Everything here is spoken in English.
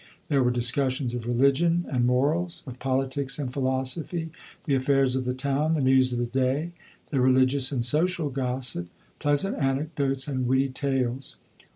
There were discussions of religion and morals, of politics and philosophy, the affairs of the town, the news of the day, the religious and social gossip, pleasant anecdotes and witty tales.